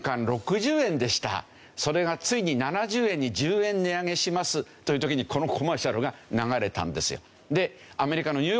それがついに７０円に１０円値上げしますという時にこのコマーシャルが流れたんですよ。